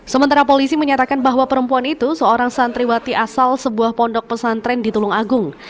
sementara polisi menyatakan bahwa perempuan itu seorang santriwati asal sebuah pondok pesantren di tulung agung